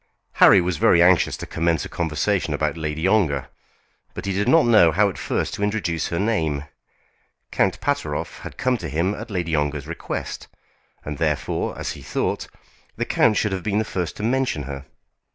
Harry was very anxious to commence a conversation about Lady Ongar, but he did not know how at first to introduce her name. Count Pateroff had come to him at Lady Ongar's request, and therefore, as he thought, the count should have been the first to mention her.